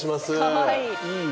かわいい。